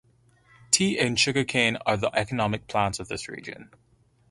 Tea and sugarcane are the economic plants of this region.